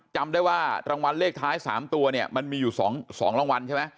จำได้ว่ารางวัลเลขท้าย๓ตัวเนี่ยมันมีอยู่๒รางวัลใช่ไหม